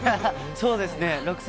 そうですね、６歳。